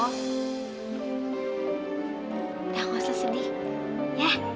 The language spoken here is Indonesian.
nggak usah sedih ya